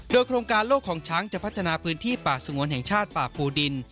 โดยโครงการโลกของช้างจะพัฒนาพื้นที่ป่าสงวนแห่งชาติป่าภูดิน